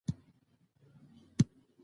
که څه هم د داکتر ذکر الله